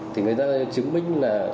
thì người ta chứng minh là